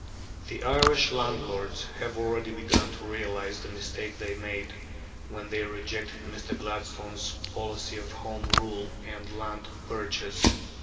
The Irish landlords have already begun to realize the mistake they made when they rejected Mr. Gladstone's policy of Home Rule and Land Purchase.